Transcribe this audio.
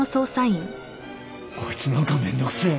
こいつ何かめんどくせえ。